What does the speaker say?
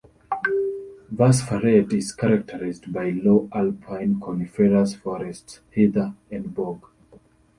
Vassfaret is characterized by low alpine coniferous forests, heather and bog.